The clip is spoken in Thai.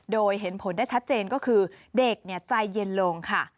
โดยเห็นผลได้ชัดเจนก็คือเด็กใจเย็นลงค่ะ